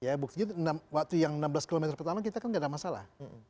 ya buktinya waktu yang enam belas km pertama kita kan tidak ada masalah